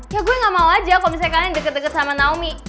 ya gue gak mau aja kalau misalnya kalian deket deket sama naomi